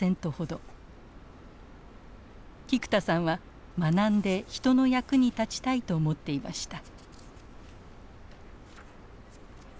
菊田さんは学んで人の役に立ちたいと思っていました。